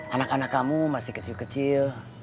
anak anak kamu masih kecil kecil